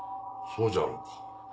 そうじゃろうか。